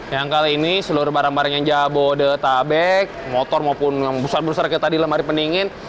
yang kali ini seluruh barang barangnya jabodetabek motor maupun yang besar besar kayak tadi lemari pendingin